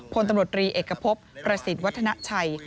พลตำรวจรีเอกพบประสิทธิ์วัฒนาชัย